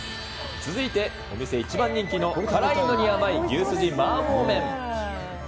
続いてお店一番人気の辛いのに甘い、牛すじ麻婆麺。